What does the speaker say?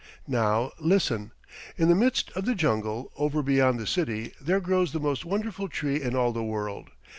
Now listen! In the midst of the jungle over beyond the city there grows the most wonderful tree in all the world.